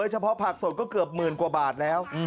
เฉพาะผักสดก็เกือบหมื่นกว่าบาทแล้ว